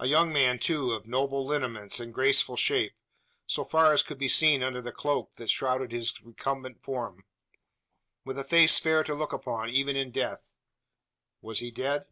A young man, too, of noble lineaments and graceful shape so far as could be seen under the cloak that shrouded his recumbent form with a face fair to look upon, even in death. Was he dead?